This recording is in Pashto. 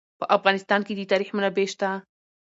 په افغانستان کې د تاریخ منابع شته.